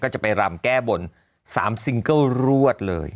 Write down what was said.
จะไปรำแก้บน๓ซิงเกิ้ลรวดเลย